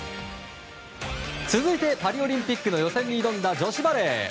続いてパリオリンピックの予選に挑んだ女子バレー。